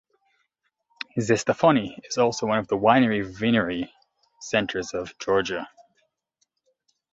Zestafoni is also one of the winery-vinery centers of Georgia.